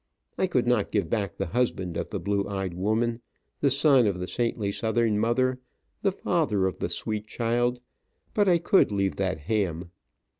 I could not give back the husband of the blue eyed woman, the son of the saintly Southern mother, the father of the sweet child, but I could leave that ham.